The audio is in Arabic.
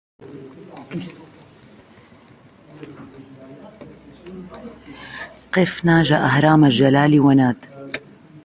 قف ناج أهرام الجلال وناد